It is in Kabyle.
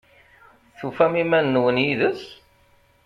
Tufam iman-nwen yid-s?